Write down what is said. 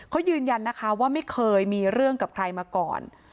เขายืนยันนะคะว่าไม่เคยมีเรื่องกับใครมาก่อน